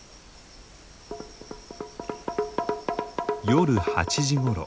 夜８時ごろ。